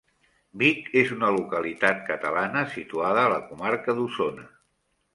Vic és una localitat catalana situada a la comarca d'Osona.